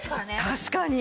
確かに。